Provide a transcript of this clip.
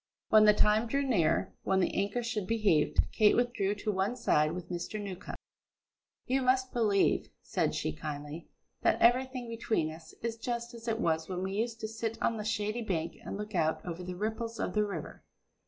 When the time drew near when the anchor should be heaved, Kate withdrew to one side with Mr. Newcombe. "You must believe," said she kindly, "that everything between us is just as it was when we used to sit on the shady bank and look out over the ripples of the river.